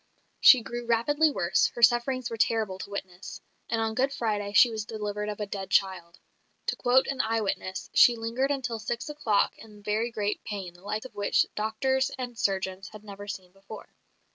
She grew rapidly worse; her sufferings were terrible to witness; and on Good Friday she was delivered of a dead child. To quote an eye witness, "She lingered until six o'clock in very great pain, the like of which doctors and surgeons had never seen before.